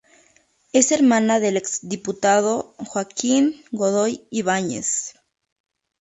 Es hermana del ex diputado Joaquín Godoy Ibáñez.